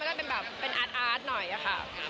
ก็เป็นแบบเป็นอาร์ตหน่อยค่ะ